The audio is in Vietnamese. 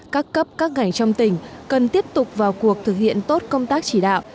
các cấp các ngành trong tỉnh cần tiếp tục vào cuộc thực hiện tốt công tác chỉ đạo